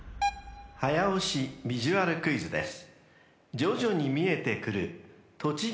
［早押しビジュアルクイズです］